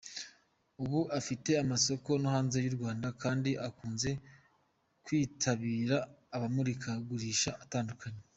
Ubu afite amasoko no hanze y’u Rwanda kandi akunze kwitabira amamurikagurisha atandukanye.